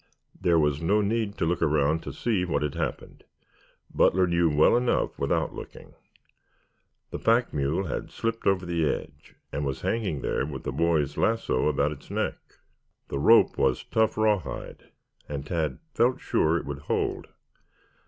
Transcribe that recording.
There was no need to look around to see what had happened. Butler knew well enough without looking. The pack mule had slipped over the edge and was hanging there with the boy's lasso about its neck. The rope was tough rawhide, and Tad felt sure it would hold.